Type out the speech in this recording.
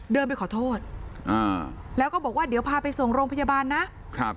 เดินไปขอโทษอ่าแล้วก็บอกว่าเดี๋ยวพาไปส่งโรงพยาบาลนะครับ